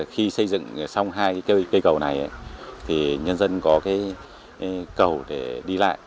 khi xây dựng xong hai cây cầu này thì nhân dân có cầu để đi lại